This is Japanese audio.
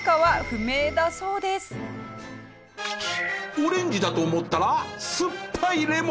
オレンジだと思ったら酸っぱいレモン。